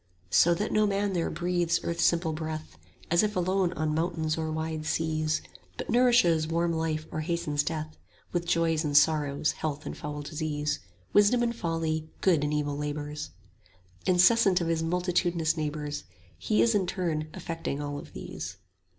So that no man there breathes earth's simple breath, As if alone on mountains or wide seas; But nourishes warm life or hastens death 10 With joys and sorrows, health and foul disease, Wisdom and folly, good and evil labours, Incessant of his multitudinous neighbors; He in his turn affecting all of these.